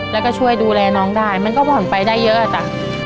แล้วก็ช่วยดูแลน้องได้มันก็ผ่อนไปได้เยอะจ้ะ